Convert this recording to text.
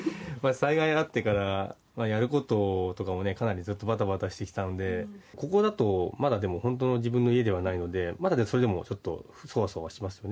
災害があってからやることとかもずっとバタバタしてきたのでここだと、まだでも自分の本当の家ではないのでまだちょっとそわそわしますよね。